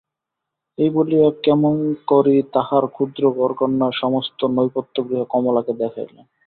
এই বলিয়া ক্ষেমংকরী তাঁহার ক্ষুদ্র ঘরকন্নার সমস্ত নেপথ্যগৃহ কমলাকে দেখাইলেন।